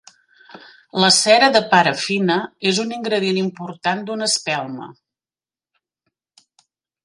La cera de parafina és un ingredient important d'una espelma.